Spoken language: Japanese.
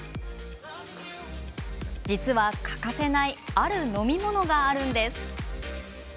実は、欠かせないある飲み物があるんです。